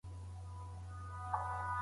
قاضي امام د ګډ کار اړوند کومه فتوا ورکړې ده؟